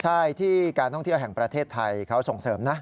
ใช่ที่การท่องเที่ยวแห่งประเทศไทยเขาส่งเสริมนะ